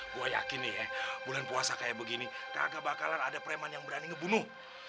gue yakin nih bulan puasa kayak begini kagak bakalan ada preman yang berani ngebunuh